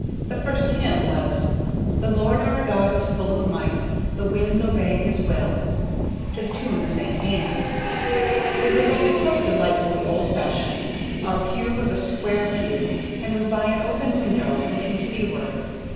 The first hymn was "The Lord our God is full of might, The winds obey his will," to the tune of St. Ann's. It was all so delightfully old fashioned; our pew was a square pew, and was by an open window looking seaward.